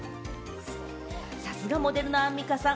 さすがモデルのアンミカさん！